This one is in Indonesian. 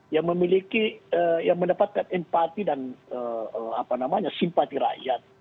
yang mendapatkan empati dan simpati rakyat